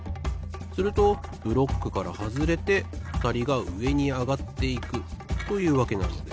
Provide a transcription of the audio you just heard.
するとブロックからはずれてふたりがうえにあがっていくというわけなのです。